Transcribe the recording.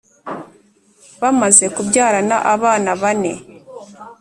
bamaze kubyarana abana bane